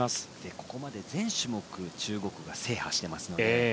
ここまで全種目中国が制覇していますので。